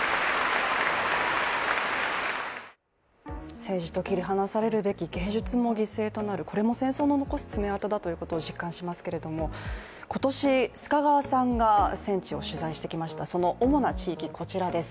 政治と切り離されるべき芸術も犠牲になる、これも戦争の残す爪痕だということを実感しますけれども、今年、須賀川さんが戦地を取材してきましたその主な地域、こちらです。